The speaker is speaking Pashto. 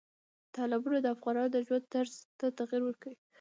تالابونه د افغانانو د ژوند طرز ته تغیر ورکوي.